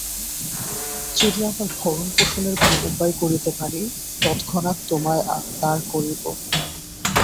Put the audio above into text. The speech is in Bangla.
যদি আমার ভরণপোষণের কোন উপায় করিতে পারি, তৎক্ষণাৎ তোমায় তার করিব।